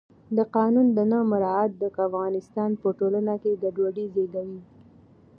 د قانون نه مراعت د افغانستان په ټولنه کې ګډوډي زیږوي